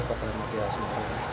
itu oleh kota makya semarang